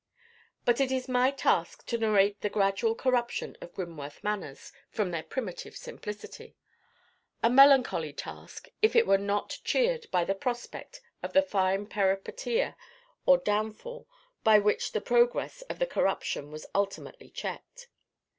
But it is my task to narrate the gradual corruption of Grimworth manners from their primitive simplicity—a melancholy task, if it were not cheered by the prospect of the fine peripateia or downfall by which the progress of the corruption was ultimately checked.